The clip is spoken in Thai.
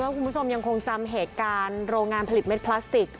คุณผู้ชมยังคงจำเหตุการณ์โรงงานผลิตเม็ดพลาสติก